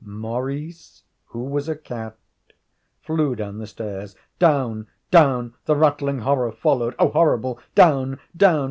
_ Maurice who was a cat flew down the stairs; down, down the rattling horror followed. Oh, horrible! Down, down!